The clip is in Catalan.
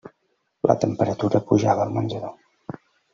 La temperatura pujava al menjador.